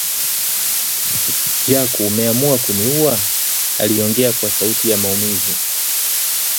Jaku umeamua kuniua?” Aliongea kwa sauti ya maumivu